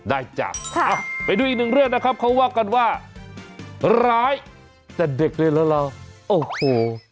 ได้จ้ะไปดูอีกหนึ่งเรื่องนะครับเขาว่ากันว่าร้ายแต่เด็กเลยเหรอเราโอ้โห